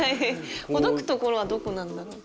ほどくところはどこなんだろうか？